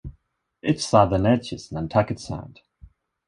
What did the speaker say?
Its southern edge is Nantucket Sound.